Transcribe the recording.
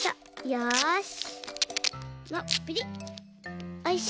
よし。